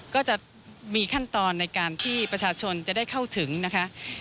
ก็จะมีขั้นตอนในการที่ประชาชนจะได้เข้าถึงนะคะ